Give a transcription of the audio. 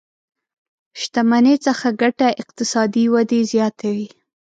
شتمنۍ څخه ګټه اقتصادي ودې زياته وي.